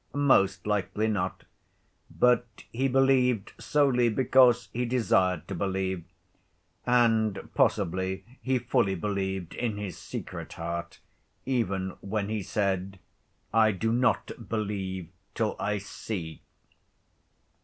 Most likely not, but he believed solely because he desired to believe and possibly he fully believed in his secret heart even when he said, "I do not believe till I see."